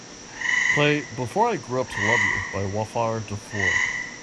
Play Before I Grew Up To Love You by Wafah Dufour